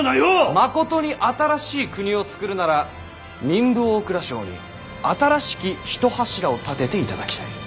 まことに新しい国を作るなら民部・大蔵省に新しき一柱を立てていただきたい。